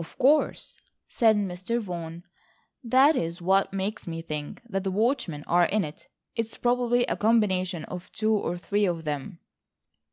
"Of course," said Mr. Vaughan, "that is what makes me think that the watchmen are in it. It's probably a combination of two or three of them."